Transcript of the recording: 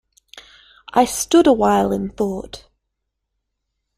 I stood awhile in thought.